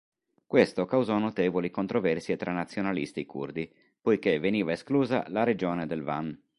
Questo causò notevoli controversie tra nazionalisti curdi, poiché veniva esclusa la regione del Van.